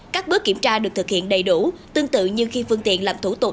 các bước kiểm tra được thực hiện đầy đủ tương tự như khi phương tiện làm thủ tục